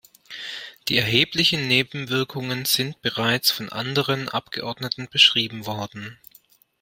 Die erheblichen Nebenwirkungen sind bereits von anderen Abgeordneten beschrieben worden.